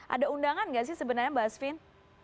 ada undangan nggak sih sebenarnya mbak asvin